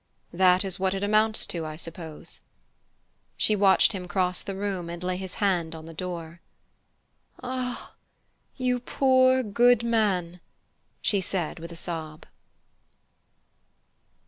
"That is what it amounts to, I suppose." She watched him cross the room and lay his hand on the door. "Ah, you poor, good man!" she said with a sob.